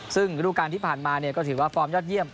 ซึ่งฤดูการที่ผ่านมาก็ถือว่าฟอร์มยอดเยี่ยม